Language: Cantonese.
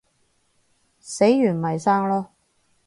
死完咪生囉